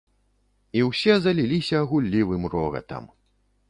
І ўсе заліліся гуллівым рогатам.